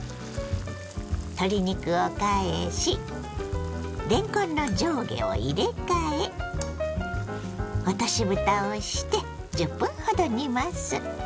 鶏肉を返しれんこんの上下を入れ替え落としぶたをして１０分ほど煮ます。